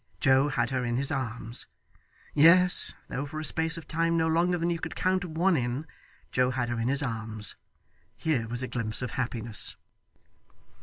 Joe had her in his arms; yes, though for a space of time no longer than you could count one in, Joe had her in his arms. Here was a glimpse of happiness!